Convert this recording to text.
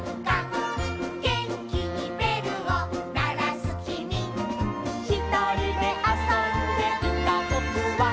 「げんきにべるをならすきみ」「ひとりであそんでいたぼくは」